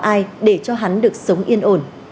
ai để cho hắn được sống yên ổn